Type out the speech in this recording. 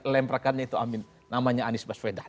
lemrakannya itu amin namanya anies baswedan